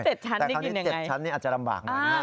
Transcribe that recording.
แต่คราวนี้๗ชั้นนี่อาจจะลำบากหน่อยนะครับ